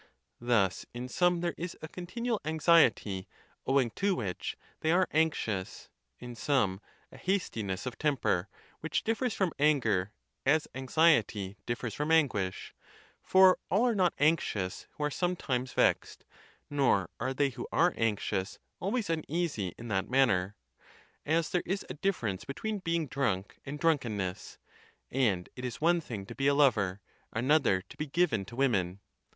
Thus in some there is a continual anxiety, owing to which they are anxious; in some a hastiness of temper, which differs from anger, as anxiety differs from anguish: for all are not anxious who are sometimes vexed, nor are they who are anxious always uneasy in that man ner: as there is a difference between being drunk and drunkenness; and it is one thing to be a lover, another to be given to women.